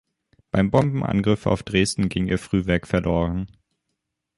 Beim Bombenangriff auf Dresden ging ihr Frühwerk verloren.